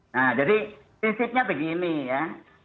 nah jadi prinsipnya begini ya